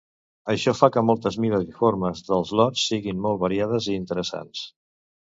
Això fa que moltes mides i formes dels lots siguin molt variades i interessants.